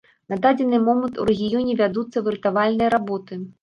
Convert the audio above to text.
На дадзены момант у рэгіёне вядуцца выратавальныя работы.